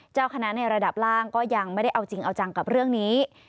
เจ้าคณะในระดับล่างก็ยังไม่ได้เอาจริงเอาจังกับเรื่องนี้